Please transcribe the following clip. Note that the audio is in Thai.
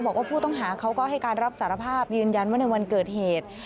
บอกว่าผู้ต้องหาเขาก็ให้การรับสารภาพยืนยันว่าในวันเกิดเหตุ